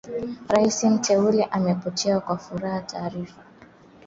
Rais Mteule amepokea kwa furaha taarifa